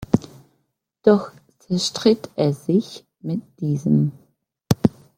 Doch zerstritt er sich mit diesem.